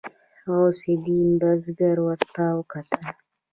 غوث الدين برګ ورته وکتل.